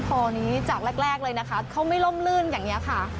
พอนี้จากแรกเลยนะคะเขาไม่ล่มลื่นอย่างนี้ค่ะ